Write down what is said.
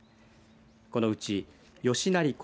このうち吉成弘